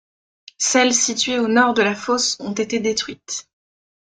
Celles situées au nord de la fosse ont été détruites.